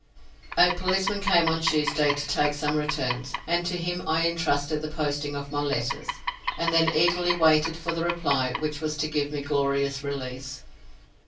A policeman came on Tuesday to take some returns, and to him I entrusted the posting of my letters, and then eagerly waited for the reply which was to give me glorious release.